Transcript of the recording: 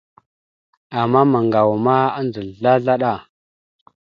Ama maŋgawa ma andza slaslaɗa.